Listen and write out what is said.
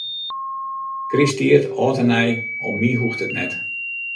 Krysttiid, âld en nij, om my hoecht it net.